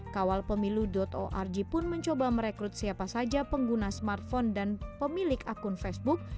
kawalpemilu org pun mencoba merekrut siapa saja pengguna smartphone dan pemilik akun facebook